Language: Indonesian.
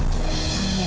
kerjaan ini sangat mudah